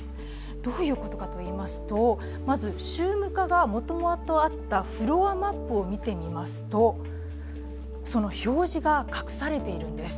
どういうことかといいますとまず宗務課がもともとあったフロアマップを見てみますと、その表示が隠されているんです。